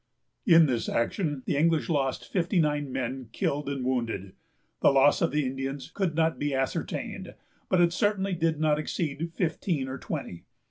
In this action, the English lost fifty nine men killed and wounded. The loss of the Indians could not be ascertained, but it certainly did not exceed fifteen or twenty.